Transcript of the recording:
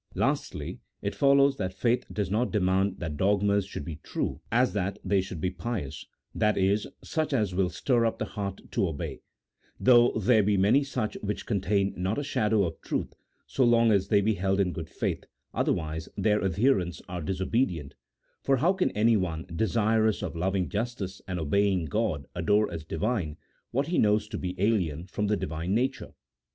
Lastly, it follows that faith does not demand that dogmas should be true as that they should be pious — that is, such as will stir up the heart to obey ; though there be many such which contain not a shadow of truth, so long as they be held in good faith, otherwise their adherents are disobedient, for how can anyone, desirous of loving justice and obeying God, adore as Divine what he knows to be alien from the Divine nature